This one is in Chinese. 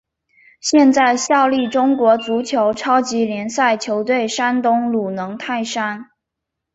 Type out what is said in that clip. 现在效力中国足球超级联赛球队山东鲁能泰山。